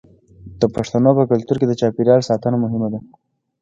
د پښتنو په کلتور کې د چاپیریال ساتنه مهمه ده.